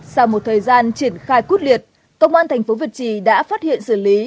sau một thời gian triển khai quốc liệt công an tp việt trì đã phát hiện xử lý